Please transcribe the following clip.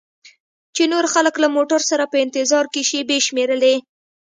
چې نور خلک له موټر سره په انتظار کې شیبې شمیرلې.